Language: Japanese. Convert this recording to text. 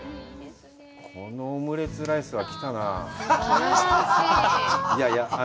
このオムレツライスは来たなあ。